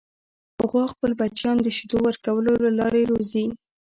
غوا خپل بچیان د شیدو ورکولو له لارې روزي.